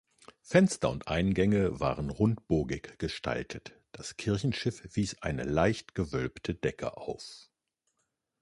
Fenster und Eingänge waren rundbogig gestaltet, das Kirchenschiff wies eine leicht gewölbte Decke auf.